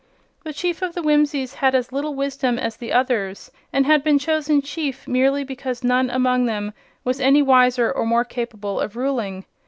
The Chief of the Whimsies had as little wisdom as the others, and had been chosen chief merely because none among them was any wiser or more capable of ruling.